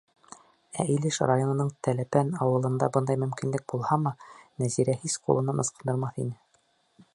Ә Илеш районының Теләпән ауылында бындай мөмкинлек булһамы, Нәзирә һис ҡулынан ысҡындырмаҫ ине.